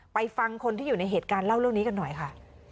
ฟังคนที่อยู่ในเหตุการณ์เล่าเรื่องนี้กันหน่อยค่ะ